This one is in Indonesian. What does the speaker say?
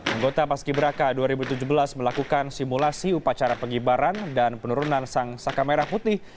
anggota paski beraka dua ribu tujuh belas melakukan simulasi upacara pengibaran dan penurunan sang saka merah putih